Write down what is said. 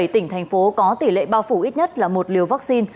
năm mươi bảy tỉnh thành phố có tỷ lệ bao phủ ít nhất là một liều vaccine